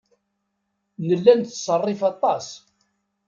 Nella nettṣerrif aṭas.